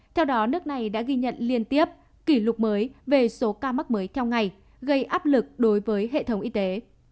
theo đó nước này đã ghi nhận liên tiếp kỷ lục mới về số ca mắc mới theo ngày gây áp lực đối với hệ thống y tế